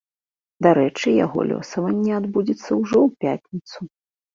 Дарэчы, яго лёсаванне адбудзецца ўжо ў пятніцу.